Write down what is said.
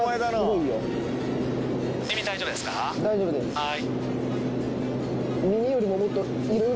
はい。